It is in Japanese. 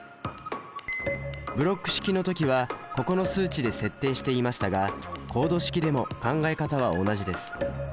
ブロック式の時はここの数値で設定していましたがコード式でも考え方は同じです。